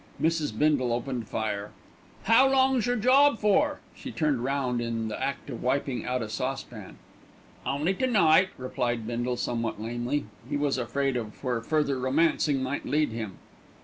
Mrs. Bindle opened fire. "How long's your job for?" She turned round in the act of wiping out a saucepan. "Only to night," replied Bindle somewhat lamely. He was afraid of where further romancing might lead him.